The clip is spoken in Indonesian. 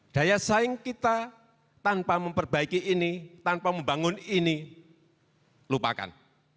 daya saing kita tanpa memperbaiki ini tanpa membangun ini lupakan